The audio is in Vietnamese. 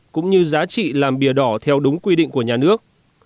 cũng như giá trị làm bìa đỏ theo đúng quy định của nhà nước